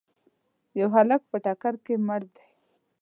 یو هلک په ټکر کي مړ دی.